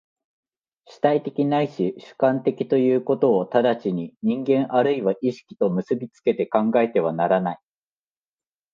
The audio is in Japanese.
主体的ないし主観的ということを直ちに人間或いは意識と結び付けて考えてはならない。